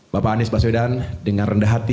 bapak anies baswedan dengan rendah hati